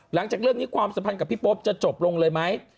หลังจากเรื่องนี้ความสัมพันธ์กับพี่โป๊ปจะจบลงเลยไหม